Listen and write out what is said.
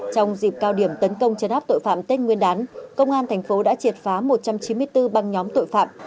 trong dịp cao điểm tấn công chấn áp tội phạm tết nguyên đán công an thành phố đã triệt phá một trăm chín mươi bốn băng nhóm tội phạm